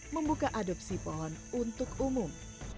membuka adopsi pohon untuk umum